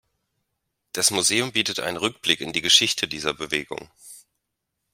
Das Museum bietet einen Rückblick in die Geschichte dieser Bewegung.